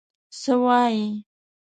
څه وایې؟